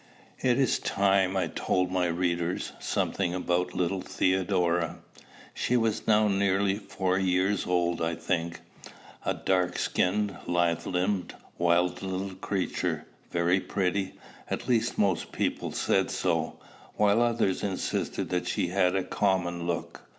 It is time I told my readers something about the little Theodora. She was now nearly four years old I think, a dark skinned, lithe limbed, wild little creature, very pretty, at least most people said so, while others insisted that she had a common look.